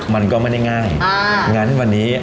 มันก็ไม่ได้ง่ายงานที่วันนี้